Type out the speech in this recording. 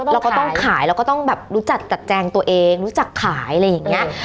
เราก็ต้องขายแล้วก็ต้องแบบรู้จักจัดแจงตัวเองรู้จักขายอะไรอย่างนี้